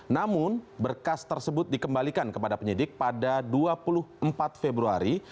namun berkas tersebut dikembalikan kepada penyidik pada dua puluh empat februari